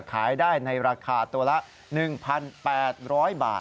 ขายได้ในราคาตัวละ๑๘๐๐บาท